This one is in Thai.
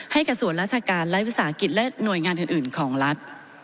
กระทรวงราชการและวิสาหกิจและหน่วยงานอื่นของรัฐ